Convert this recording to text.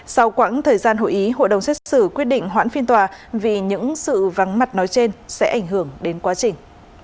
sau quãng thời gian hội ý hội đồng xét xử quyết định hoãn phiên tòa vì những sự vắng mặt nói trên sẽ ảnh hưởng đến quá trình